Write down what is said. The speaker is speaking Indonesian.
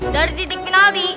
dari titik penalti